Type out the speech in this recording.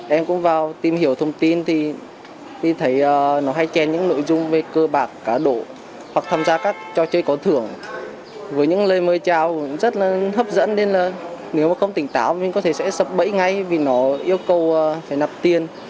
em cũng vào tìm hiểu thông tin thì mình thấy nó hay chèn những nội dung về cơ bạc cá độ hoặc tham gia các trò chơi có thưởng với những lời mời chào rất là hấp dẫn nên là nếu mà không tỉnh táo mình có thể sẽ sập bẫy ngay vì nó yêu cầu phải nạp tiền